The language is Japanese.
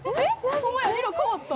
ホンマや色変わった。